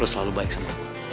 lo selalu baik sama gue